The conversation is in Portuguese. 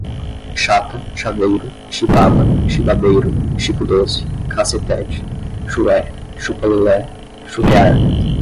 chata, chaveiro, chibaba, chibabeiro, chico doce, cassetete, chué, chupa lelé, churrear